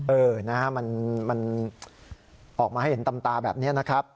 เออนะฮะมันออกมาให้เห็นตำตาแบบนี้นะครับ